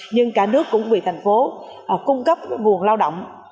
nhưng cả nước cũng vì thành phố cung cấp nguồn lao động